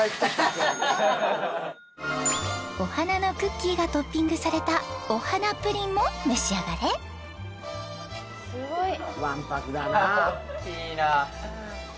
お花のクッキーがトッピングされたお花プリンも召し上がれすごいうん！